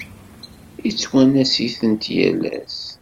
Yettwanas-itent yal ass.